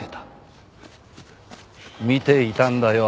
見ていたんだよ